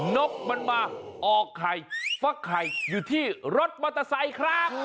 นกมันมาออกไข่ฟักไข่อยู่ที่รถมอเตอร์ไซค์ครับ